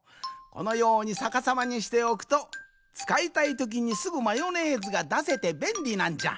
このようにさかさまにしておくとつかいたいときにすぐマヨネーズがだせてべんりなんじゃ。